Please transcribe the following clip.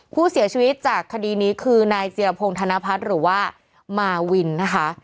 ผู้เสียชีวิตจากคดีนี้คือนายจิรพงศ์ธนพัฒน์หรือว่ามาวินนะคะ